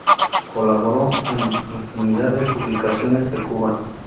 Colaboró en infinidad de publicaciones de Cuba.